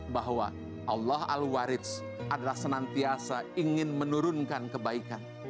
bahwa allah al waridz adalah senantiasa ingin menurunkan kebaikan